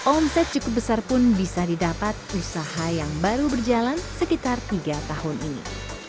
omset cukup besar pun bisa didapat usaha yang baru berjalan sekitar tiga tahun ini